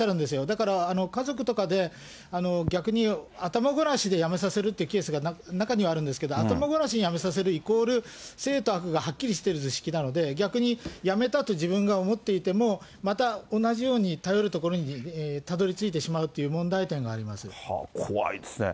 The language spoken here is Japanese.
だから家族とかで、逆に頭ごなしでやめさせるっていうケースが中にはあるんですけど、頭ごなしにやめさせるイコール正と悪がはっきりしている図式なので、逆にやめたと自分が思っていても、また同じように頼るところにたどりついてしまうという問題点があ怖いですね。